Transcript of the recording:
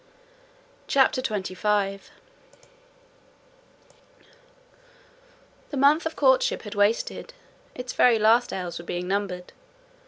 CHAPTER XXV The month of courtship had wasted: its very last hours were being numbered.